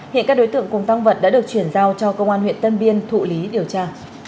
hiện các đối tượng cùng tăng vật đã được chuyển giao cho công an huyện tân biên thụ lý điều tra